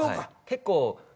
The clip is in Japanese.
結構。